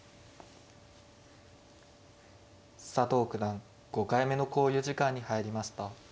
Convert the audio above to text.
佐藤九段５回目の考慮時間に入りました。